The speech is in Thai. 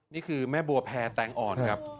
นี่คือแม่บัวแพรแตงอ่อนครับ